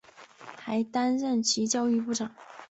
还担任其教育部长。